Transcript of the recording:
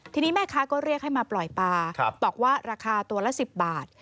ทีนี้แม่ค้าก็เรียกให้มาปล่อยปลาบอกว่าราคาตัวละ๑๐บาท